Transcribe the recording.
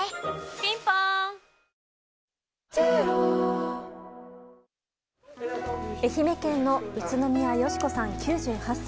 ピンポーン愛媛県の宇都宮淑子さん、９８歳。